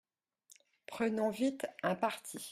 Prenons vite un parti.